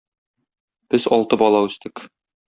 Без алты бала үстек.